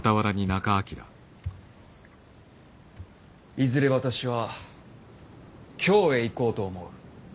いずれ私は京へ行こうと思う。